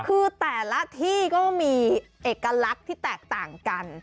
คือแต่ละที่ก็มีเอกลักษณ์ที่แตกต่างกัน